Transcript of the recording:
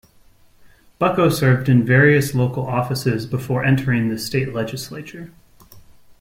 Bucco served in various local offices before entering the State Legislature.